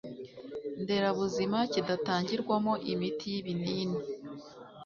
nderabuzima kidatangirwamo imiti y’ibinini,